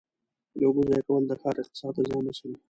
د اوبو ضایع کول د ښار اقتصاد ته زیان رسوي.